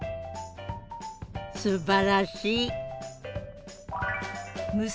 すばらしい！